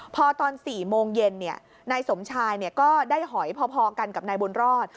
พอตอน๔โมงเย็นนายสมชายก็ได้หอยพอกันกับนายบุญรอด